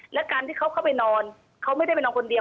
และการที่เขาเข้าไปนอนเขาไม่ได้ไปนอนคนเดียว